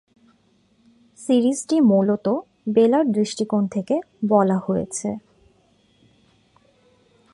সিরিজটি মূলত বেলার দৃষ্টিকোণ থেকে বলা হয়েছে।